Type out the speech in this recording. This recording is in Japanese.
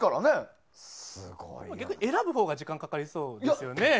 結局選ぶほうが時間かかりそうですよね。